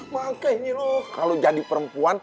makanya nih lu kalo jadi perempuan